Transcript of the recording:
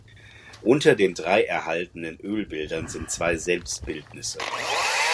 Unter den drei erhaltenen Ölbildern sind zwei Selbstbildnisse.